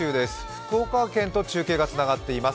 福岡県と中継がつながっています。